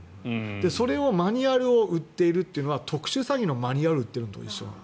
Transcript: それをマニュアルを売っているというのは特殊詐欺のマニュアルを売っているのと同じ。